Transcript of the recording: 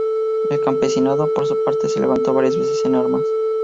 El campesinado, por su parte, se levantó varias veces en armas.